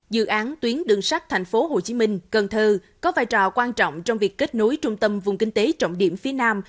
dự án tuyến đường sắt tp hcm cần thơ có vai trò quan trọng trong việc kết nối trung tâm vùng kinh tế trọng điểm phía nam